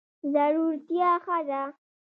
زړورتیا ښه ده.